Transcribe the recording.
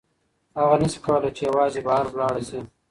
هغه نشي کولی چې یوازې بهر لاړه شي.